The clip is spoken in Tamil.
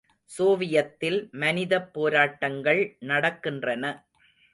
சோவியத்தில் மனிதப் போராட்டங்கள் நடக்கின்றன.